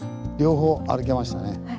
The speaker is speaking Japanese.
両方歩けましたね。